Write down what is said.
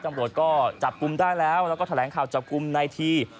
ตำรวจก็จับกลุ่มได้แล้วแล้วก็แถลงข่าวจับกลุ่มในที